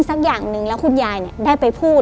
สักอย่างหนึ่งแล้วคุณยายได้ไปพูด